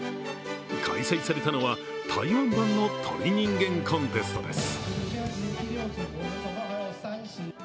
開催されたのは、台湾版の鳥人間コンテストです。